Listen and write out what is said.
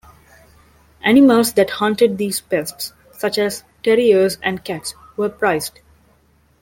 Animals that hunted these pests, such as terriers and cats, were prized.